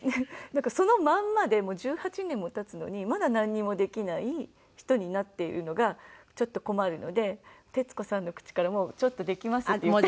なんかそのまんまでもう１８年も経つのにまだなんにもできない人になっているのがちょっと困るので徹子さんの口から「ちょっとできます」って言って。